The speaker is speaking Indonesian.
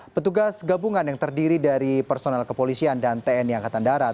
petugas gabungan yang terdiri dari personel kepolisian dan tni angkatan darat